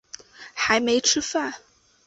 还没吃饭